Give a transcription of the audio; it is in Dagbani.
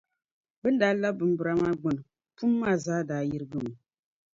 Bɛ ni daa ti labi bimbirili maa gbuni, pum maa zaa daa yirigimi.